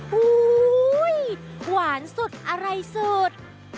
อุ้ยหวานสุดอะไรสุด